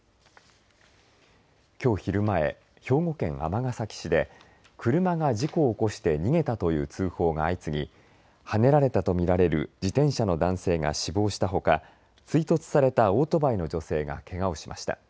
きょう昼前兵庫県尼崎市で車が事故を起こして逃げたという通報が相次ぎはねられたと見られる自転車の男性が死亡したほか追突されたオートバイの女性がけがをしました。